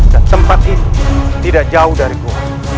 dan tempat ini tidak jauh dari goa